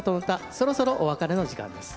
そろそろお別れの時間です。